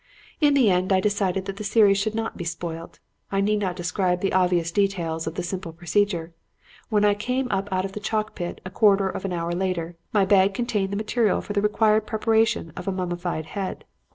"In the end, I decided that the series should not be spoilt. I need not describe the obvious details of the simple procedure. When I came up out of the chalk pit a quarter of an hour later, my bag contained the material for the required preparation of a mummified head.